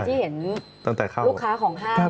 ที่เห็นลูกค้าของท่าน